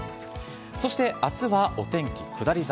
そしてあすはお天気下り坂。